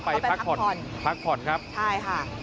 ไปพักผ่อนครับใช่ค่ะพักผ่อน